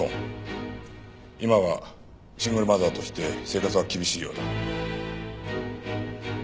今はシングルマザーとして生活は厳しいようだ。